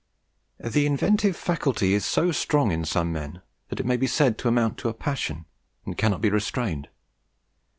The inventive faculty is so strong in some men that it may be said to amount to a passion, and cannot be restrained.